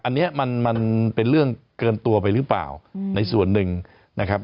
อันนี้มันมันเป็นเรื่องเกินตัวไปหรือเปล่าในส่วนหนึ่งนะครับ